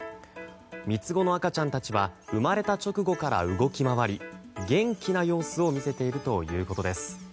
三つ子の赤ちゃんたちは生まれた直後から動き回り元気な様子を見せているということです。